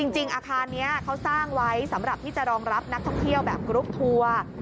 จริงอาคารนี้เขาสร้างไว้สำหรับที่จะรองรับนักท่องเที่ยวแบบกรุ๊ปทัวร์